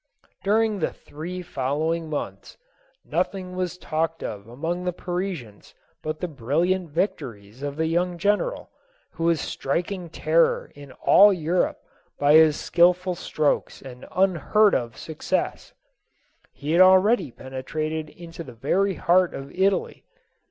During the three following months, nothing was talked of among the Parisians but the brilliant victo ries of the young general, who was striking terror in all Europe by his skillful strokes and unheard of suc cess. He had already penetrated into the very heart of Italy.